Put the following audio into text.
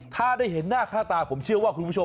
ถ้าได้เห็นหน้าข้าตาผมเชื่อว่าคุณผู้ชมร้องอ๋อ